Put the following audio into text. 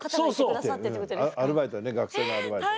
アルバイトで学生のアルバイトが。